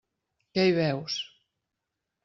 Què hi veus?